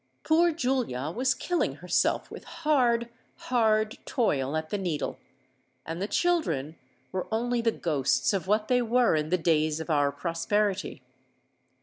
Poor Julia was killing herself with hard—hard toil at the needle; and the children were only the ghosts of what they were in the days of our prosperity.